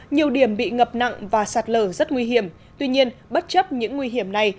nhiều điểm bị ngập nặng và sạt lở rất nguy hiểm tuy nhiên bất chấp những nguy hiểm này